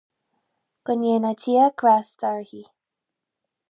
go ndéana Dia grásta uirthi.